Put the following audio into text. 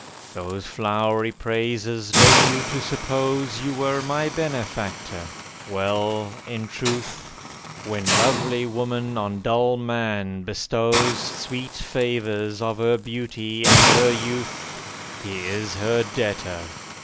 Those flowery praises led you to suppose You were my benefactor. Well, in truth, When lovely woman on dull man bestows Sweet favours of her beauty and her youth, He is her debtor.